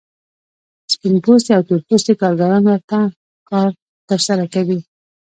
سپین پوستي او تور پوستي کارګران ورته کار ترسره کوي